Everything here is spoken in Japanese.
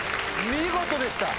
見事でした。